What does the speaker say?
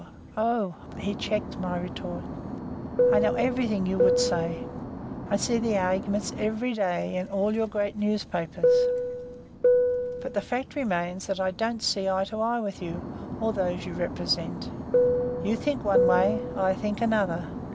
Oh!" he checked my retort "I know everything you would say. I see the arguments every day in all your great newspapers. But the fact remains that I don't see eye to eye with you, or those you represent. You think one way, I think another.